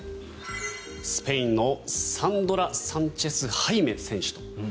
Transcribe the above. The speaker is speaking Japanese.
スペインのサンドラ・サンチェス・ハイメ選手。